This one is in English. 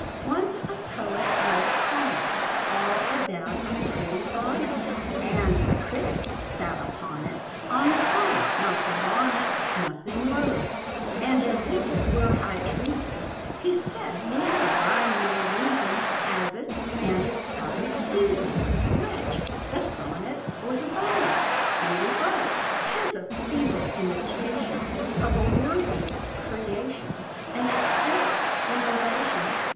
Once a poet wrote a sonnet All about a pretty bonnet, And a critic sat upon it (On the sonnet, Not the bonnet), Nothing loath. And as if it were high treason, He said: "Neither rhyme nor reason Has it; and it's out of season," Which? the sonnet Or the bonnet? Maybe both. "'Tis a feeble imitation Of a worthier creation; An æsthetic innovation!"